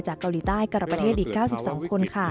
จากเกาหลีใต้กรประเทศอีก๙๒คนค่ะ